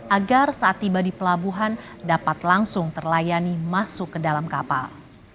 agar saat tiba di pelabuhan dapat langsung terlayani masuk ke dalam kapal